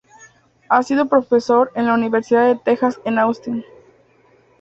Ha sido profesor en la Universidad de Texas en Austin.